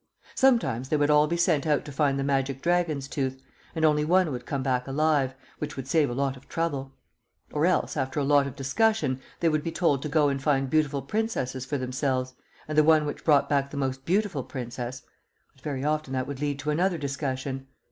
Sometimes they would all be sent out to find the magic Dragon's Tooth, and only one would come back alive, which would save a lot of trouble; or else, after a lot of discussion, they would be told to go and find beautiful Princesses for themselves, and the one which brought back the most beautiful Princess but very often that would lead to another discussion.